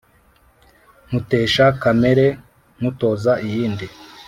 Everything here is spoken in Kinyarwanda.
nkutesha kamere nkutoza iyindi